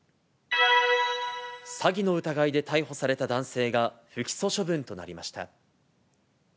詐欺の疑いで逮捕された男性が不起訴処分となりました。